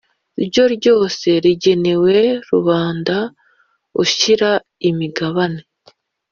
ryo ryose rigenewe rubanda Ushyira imigabane